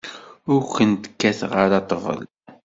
Ur kent-kkateɣ ara ṭṭbel.